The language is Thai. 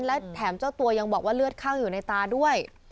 และแถมเจ้าตัวยังบอกว่าเลือดข้างอยู่ในตาด้วย